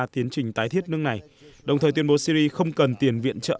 tiến trình tái thiết nước này đồng thời tuyên bố syri không cần tiền viện trợ